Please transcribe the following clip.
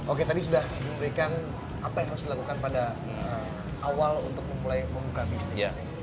oke tadi sudah memberikan apa yang harus dilakukan pada awal untuk memulai membuka bisnis